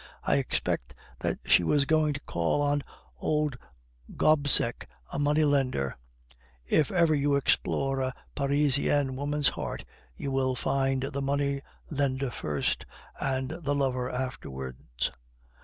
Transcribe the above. "I expect that she was going to call on old Gobseck, a money lender. If ever you explore a Parisian woman's heart, you will find the money lender first, and the lover afterwards.